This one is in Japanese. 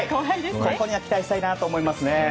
ここに期待したいと思いますね。